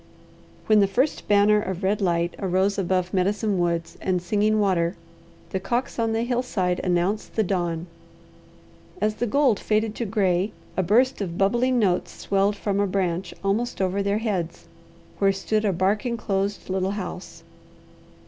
When the first banner of red light arose above Medicine Woods and Singing Water the cocks on the hillside announced the dawn. As the gold faded to gray, a burst of bubbling notes swelled from a branch almost over their heads where stood a bark enclosed little house.